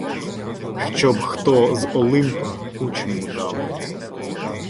Щоб хто з Олимпа кучму дав.